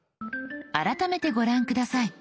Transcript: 改めてご覧下さい。